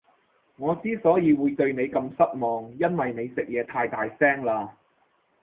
我之所以會對你咁失望，因為你食嘢太大聲喇